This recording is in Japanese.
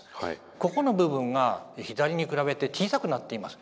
ここの部分が左に比べて小さくなっています。